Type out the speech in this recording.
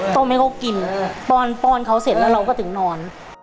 ต้มให้เขากินป้อนป้อนเขาเสร็จแล้วเราก็ถึงนอน